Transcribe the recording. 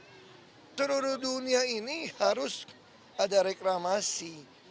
jadi seluruh dunia ini harus ada reklamasi